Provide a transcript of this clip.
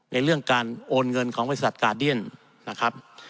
เรื่องการโอนเงินของบริษัทกาเดียนนะครับ